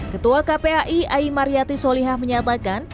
ketua kphi aimaryati solihah menyatakan